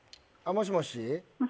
もしもし？